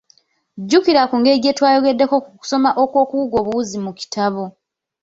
Jjukira ku ngeri gye twayogeddemu ku kusoma okw'okuwuga obuwuzi mu kitabo.